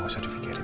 gak usah dipikirin